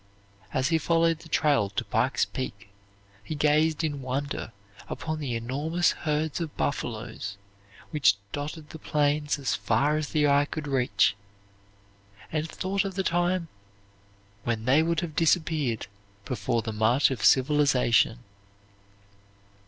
As he followed the trail to Pike's Peak, he gazed in wonder upon the enormous herds of buffaloes which dotted the plains as far as the eye could reach, and thought of the time when they would have disappeared before the march of civilization.